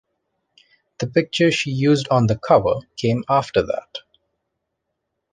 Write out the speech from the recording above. The picture she used on the cover came after that.